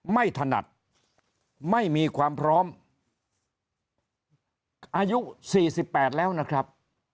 ไม่ถนัดไม่มีความพร้อมอายุสี่สิบแปดแล้วนะครับ